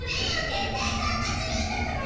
絶対参加するんだから。